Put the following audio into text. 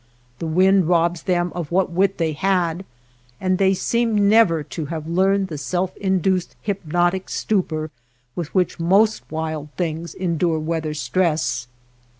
The wind robs them of what wit they had, and they seem never to have learned the self induced hyp notic stupor with which most wild things endure weather stress.